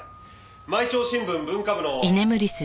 毎朝新聞文化部の。